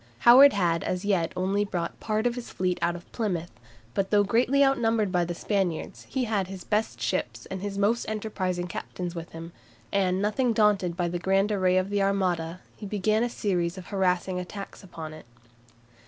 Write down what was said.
Howard had as yet only brought part of his fleet out of Plymouth, but though greatly outnumbered by the Spaniards, he had his best ships and his most enterprising captains with him, and nothing daunted by the grand array of the Armada, he began a series of harassing attacks upon it.